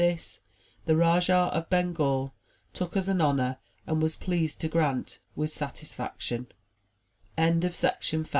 This the Rajah of Bengal took as an honor and was pleased to grant with great satisfaction.